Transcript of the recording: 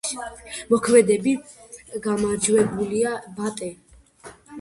მოქმედი გამარჯვებულია „ბატე“.